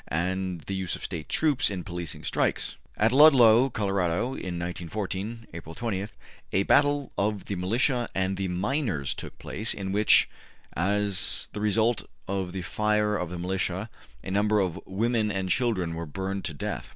72), and the use of State troops in policing strikes (p. 298). At Ludlow (Colorado) in 1914 (April 20) a battle of the militia and the miners took place, in which, as the result of the fire of the militia, a number of women and children were burned to death.